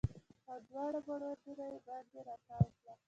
او دواړه مړوندونه یې باندې راتاو کړه